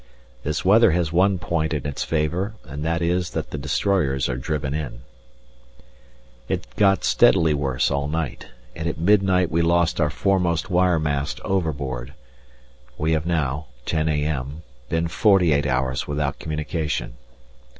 This weather has one point in its favour and that is that the destroyers are driven in. It got steadily worse all night, and at midnight we lost our foremost wireless mast overboard; we have now (10 a.m.) been 48 hours without communication.